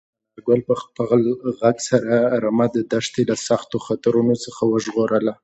انارګل په خپل غږ سره رمه د دښتې له سختو خطرونو څخه وژغورله.